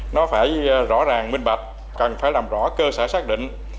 nó phải rõ ràng minh bạch cần phải làm rõ cơ sở xác định